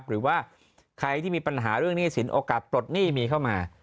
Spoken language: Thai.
หรือว่าใครที่มีปัญหาเรื่องหนี้สินโอกาสปลดหนี้มีเข้ามา